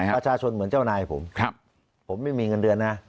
ประชาชนเหมือนเจ้านายผมผมไม่มีเงินเดือนนะ